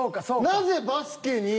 なぜバスケに。